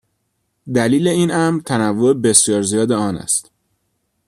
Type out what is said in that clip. دلیل این امر تنوع بسیار زیاد آن است.